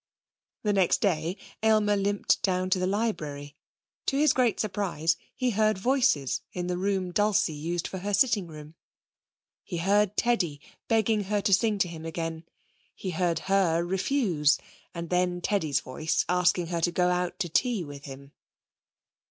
The next day Aylmer limped down to the library. To his great surprise he heard voices in the room Dulcie used for her sitting room. He heard Teddy begging her to sing to him again. He heard her refuse and then Teddy's voice asking her to go out to tea with him.